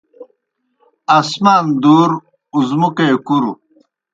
آسمان دُور، اُزمُکے کُروْ